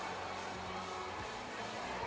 สวัสดีทุกคน